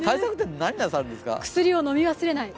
薬を飲み忘れない。